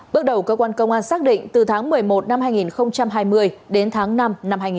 bước đầu cơ quan công an xác định từ tháng một mươi một năm hai nghìn hai mươi đến tháng năm năm hai nghìn hai mươi